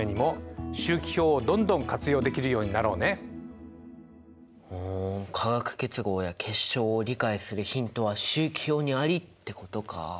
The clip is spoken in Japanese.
そしてこれからより一層化学結合や結晶を理解するヒントは周期表にあり！ってことか。